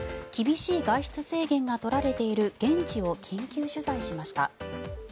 厳しい外出制限が取られている現地を緊急取材しました。